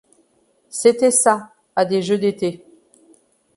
C'était sa à des Jeux d'été.